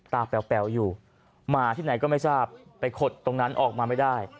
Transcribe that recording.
แป๋วอยู่มาที่ไหนก็ไม่ทราบไปขดตรงนั้นออกมาไม่ได้